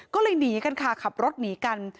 ก็เลยหนีกันค่ะขับรถหนีกัน